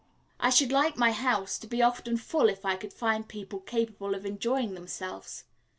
I should like my house to be often full if I could find people capable of enjoying themselves.